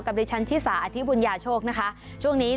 ดิฉันชิสาอธิบุญญาโชคนะคะช่วงนี้